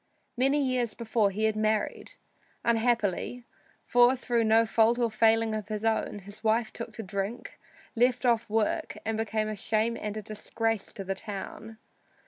Many years before he had married; unhappily, for through no fault or failing of his own, his wife took to drink, left off work, and became a shame and a disgrace to the town.